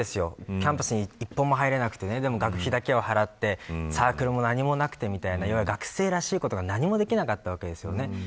キャンパスに一歩も入れなくて学費だけは払ってサークルも何もなくて学生らしいことが、何もできなかったわけですよね。